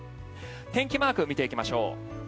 天気マークを見ていきましょう。